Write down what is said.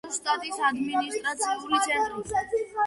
გერეროს შტატის ადმინისტრაციული ცენტრი.